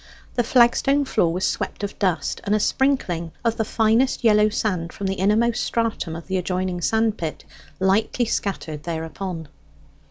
The flagstone floor was swept of dust, and a sprinkling of the finest yellow sand from the innermost stratum of the adjoining sand pit lightly scattered thereupon.